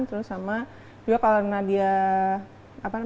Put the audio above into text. terus sama kalau nanti dia merungut dia akan merungut